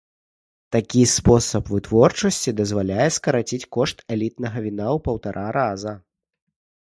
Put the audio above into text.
Такі спосаб вытворчасці дазваляе скараціць кошт элітнага віна ў паўтара раза.